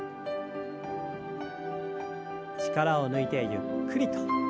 力を抜いてゆっくりと。